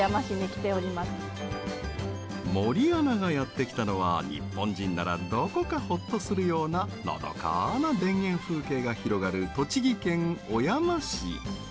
森アナがやってきたのは日本人ならどこかホッとするようなのどかな田園風景が広がる栃木県小山市。